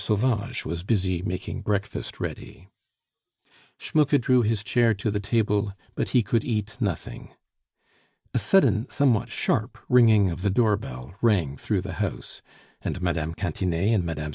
Sauvage was busy making breakfast ready. Schmucke drew his chair to the table, but he could eat nothing. A sudden, somewhat sharp ringing of the door bell rang through the house, and Mme. Cantinet and Mme.